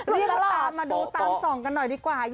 รีบตามมาดูตามส่องกันหน่อยดีกว่า